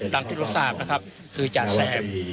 ที่เราทราบนะครับคือจ่าแซม